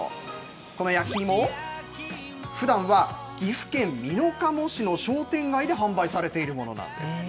この焼き芋、ふだんは岐阜県美濃加茂市の商店街で販売されているものなんです。